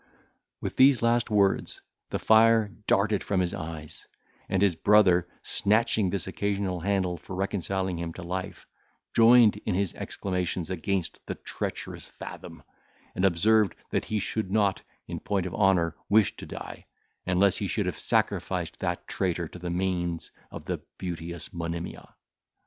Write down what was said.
With these last words the fire darted from his eyes, and his brother, snatching this occasional handle for reconciling him to life, joined in his exclamations against the treacherous Fathom, and observed, that he should not, in point of honour, wish to die, until he should have sacrificed that traitor to the manes of the beauteous Monimia.